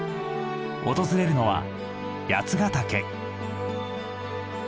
訪れるのは八ヶ岳。